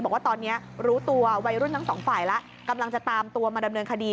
บอกว่าตอนนี้รู้ตัววัยรุ่นทั้งสองฝ่ายแล้วกำลังจะตามตัวมาดำเนินคดี